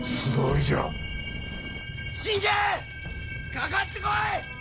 かかってこい！